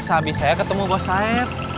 sehabis saya ketemu bos saya